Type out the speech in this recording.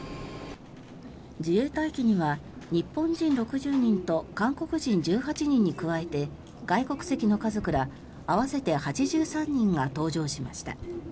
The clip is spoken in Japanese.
自衛隊機には日本人６０人と韓国人１８人に加えて外国籍の家族ら合わせて８３人が搭乗しました。